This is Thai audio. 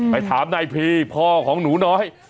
ไปถามนายพีพ่อของหนูน้อย